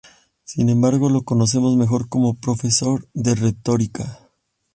Sin embargo lo conocemos mejor como profesor de retórica.